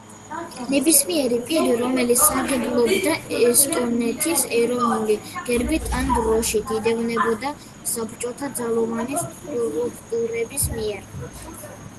ნებისმიერი პირი, რომელიც სარგებლობდა ესტონეთის ეროვნული გერბით ან დროშით იდევნებოდა საბჭოთა ძალოვანი სტრუქტურების მიერ.